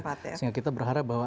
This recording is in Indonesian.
betul ya sehingga kita berharap bahwa